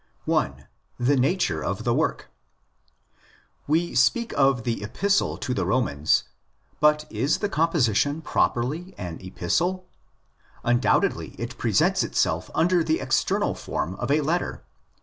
1.—Tue Nature or THE WorK. We speak of the '"' Epistle" to the Romans; but is the composition properly an Epistle? Undoubtedly it presents itself under the external form of a letter.